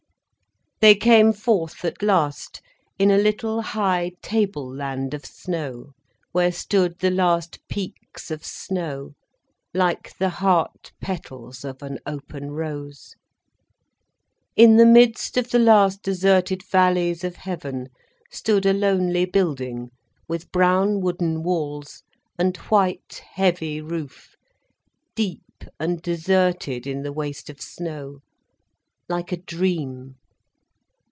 They came forth at last in a little high table land of snow, where stood the last peaks of snow like the heart petals of an open rose. In the midst of the last deserted valleys of heaven stood a lonely building with brown wooden walls and white heavy roof, deep and deserted in the waste of snow, like a dream.